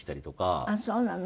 ああそうなの。